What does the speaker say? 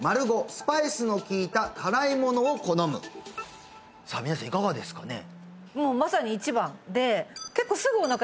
⑤スパイスのきいた辛いものを好むさあ皆さんいかがですかね？